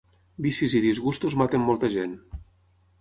Vicis i disgustos maten molta gent.